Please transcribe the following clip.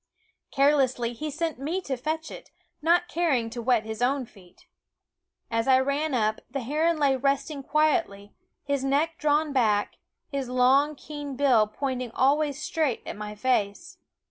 Carelessly he sent me to fetch it, not caring to wet his own feet. As I ran up, the heron lay resting quietly, his neck drawn back, his long keen bill pointing always straight at my face.